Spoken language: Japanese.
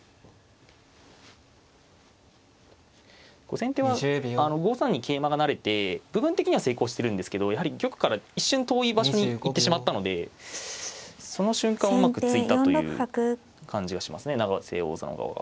先手は５三に桂馬が成れて部分的には成功してるんですけどやはり玉から一瞬遠い場所に行ってしまったのでその瞬間をうまく突いたという感じがしますね永瀬王座の側が。